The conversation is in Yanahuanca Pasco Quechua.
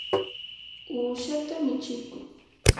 uushata michikuy.